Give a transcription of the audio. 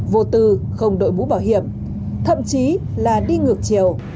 vô tư không đội bú bảo hiểm thậm chí là đi ngược chiều